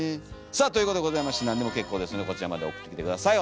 さあということでございまして何でも結構ですのでこちらまで送ってきて下さい。